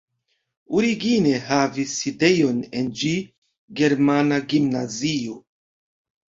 Origine havis sidejon en ĝi germana gimnazio.